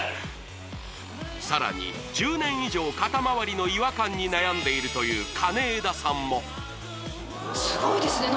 さらに１０年以上肩まわりの違和感に悩んでいるという金枝さんもすごいですね